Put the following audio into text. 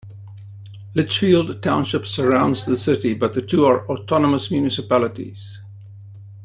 Litchfield Township surrounds the city, but the two are autonomous municipalities.